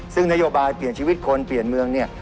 ซึ่งนโยบายเปลี่ยนชีวิตคนเปลี่ยนเมืองเนี่ย